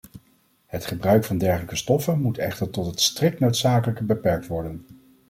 Het gebruik van dergelijke stoffen moet echter tot het strikt noodzakelijke beperkt worden.